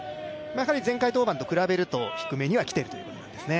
前回登板と比べると低めには来ているということなんですね。